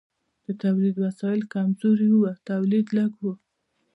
د تولید وسایل کمزوري وو او تولید لږ و.